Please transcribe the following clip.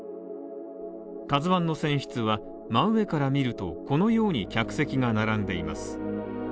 「ＫＡＺＵ１」の船室は真上から見ると、このように客席が並んでいます。